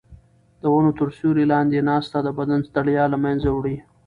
د ونو تر سیوري لاندې ناسته د بدن ستړیا له منځه وړي.